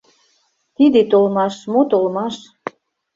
Тиде толмаш мо толмаш?